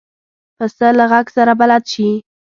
پسه له غږ سره بلد شي.